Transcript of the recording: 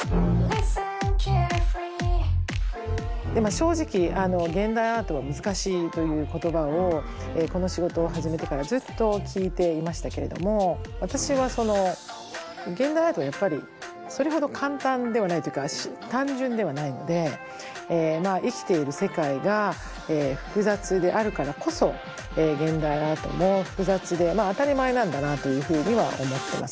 正直「現代アートは難しい」という言葉をこの仕事を始めてからずっと聞いていましたけれども私は現代アートはやっぱりそれほど簡単ではないというか単純ではないので生きている世界が複雑であるからこそ現代アートも複雑でまあ当たり前なんだなというふうには思ってます。